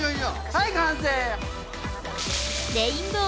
はい完成！